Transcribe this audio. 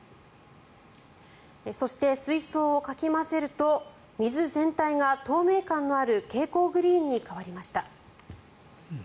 そして、水槽をかき混ぜると水全体が透明感のある蛍光グリーンに変わりました。